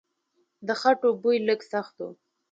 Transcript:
د خټو بوی لږ سخت و.